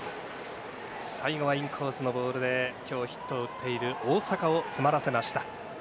最後はインコースのボールで今日ヒットを打っている大坂を詰まらせました。